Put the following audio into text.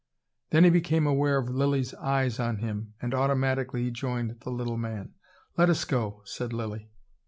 Then he became aware of Lilly's eyes on him and automatically he joined the little man. "Let us go," said Lilly.